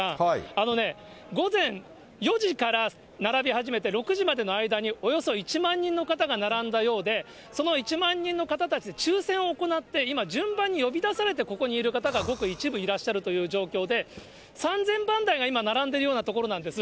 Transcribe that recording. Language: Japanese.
あのね、午前４時から並び始めて、６時までの間におよそ１万人の方が並んだようで、その１万人の方たち、抽せんを行って、今、順番に呼び出されて今ここにいる方がごく一部いらっしゃるという状況で、３０００番台が今並んでいるようなところなんです。